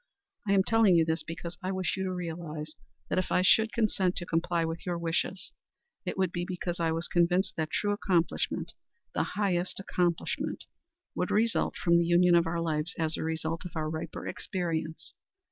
I am telling you this because I wish you to realize that if I should consent to comply with your wishes, it would be because I was convinced that true accomplishment the highest accomplishment would result from the union of our lives as the result of our riper experience.